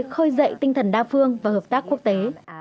khơi dậy tinh thần đa phương và hợp tác quốc tế